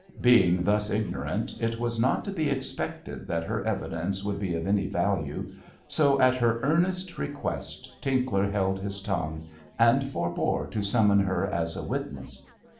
Being thus ignorant, it was not to be expected that her evidence would be of any value, so at her earnest request Tinkler held his tongue, and forebore to summon her as a witness.